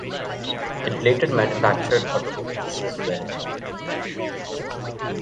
It later manufactured automobiles as well.